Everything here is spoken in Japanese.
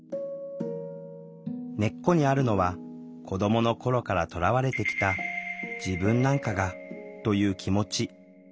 根っこにあるのは子どもの頃からとらわれてきた「自分なんかが」という気持ち。